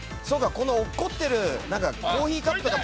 この落っこちてるコーヒーカップとか。